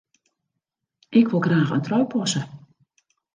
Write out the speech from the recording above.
Ik wol graach in trui passe.